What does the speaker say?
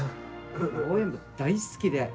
応援部大好きで。